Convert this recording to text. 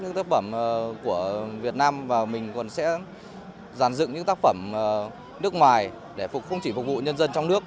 những tác phẩm của việt nam và mình còn sẽ dàn dựng những tác phẩm nước ngoài để không chỉ phục vụ nhân dân trong nước